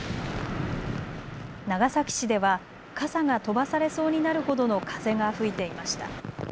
長崎市では傘が飛ばされそうになるほどの風が吹いていました。